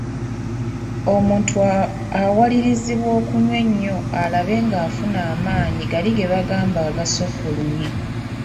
Omuntu awalirizibwa okunywa ennyo alabe ng'afuna amaanyi gali ge bagamba agasukkulumye.